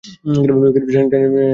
জানি না এটা কেন পরে ছিলাম।